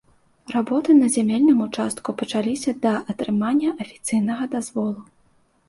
Работы на зямельным участку пачаліся да атрымання афіцыйнага дазволу.